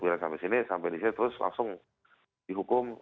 biar sampai sini sampai di sini terus langsung dihukum